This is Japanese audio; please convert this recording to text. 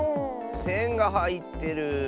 せんがはいってる。